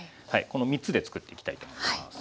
この３つで作っていきたいと思います。